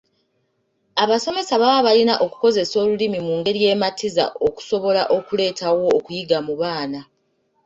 Abasomesa baba balina okukozesa olulimi mu ngeri ematiza okusobola okuleetawo okuyiga mu baana.